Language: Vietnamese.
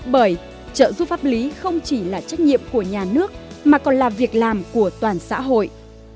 bởi trợ giúp pháp lý không chỉ là trách nhiệm của nhà nước mà còn là việc làm của toàn xã hội